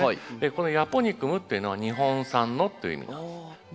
この「ヤポニクム」っていうのは「日本産の」という意味なんです。